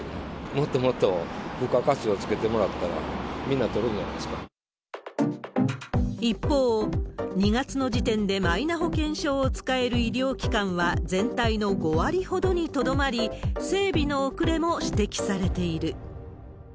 もっともっと付加価値をつけてもらったら、一方、２月の時点でマイナ保険証を使える医療機関は、全体の５割ほどにとどまり、整備の遅れも指摘されている。